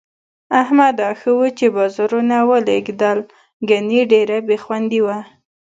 احمده! ښه وو چې بازارونه ولږېدل، گني ډېره بې خوندي وه.